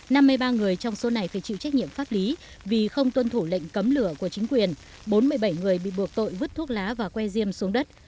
năm mươi ba người trong số này phải chịu trách nhiệm pháp lý vì không tuân thủ lệnh cấm lửa của chính quyền bốn mươi bảy người bị buộc tội vứt thuốc lá và que diêm xuống đất